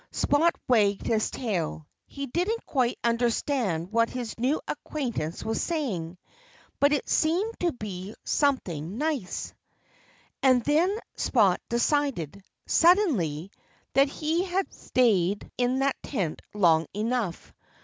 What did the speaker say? Spot wagged his tail. He didn't quite understand what his new acquaintance was saying. But it seemed to be something nice. And then Spot decided, suddenly, that he had stayed in that tent long enough.